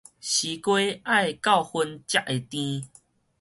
西瓜愛到分才會甜